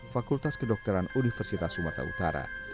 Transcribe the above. fakultas kedokteran universitas sumatera utara